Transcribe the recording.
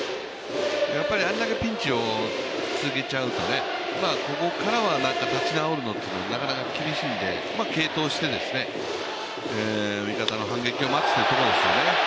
あれだけピンチを続けちゃうと、ここからは立ち直るのなかなか厳しいんで継投して、味方の反撃を待つというところなんですよね。